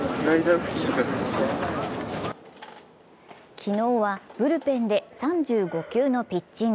昨日はブルペンで３５球のピッチング。